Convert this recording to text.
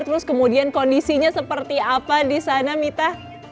terus kemudian kondisinya seperti apa di sana mita